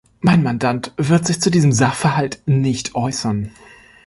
Mein Mandant wird sich zu diesem Sachverhalt nicht äußern.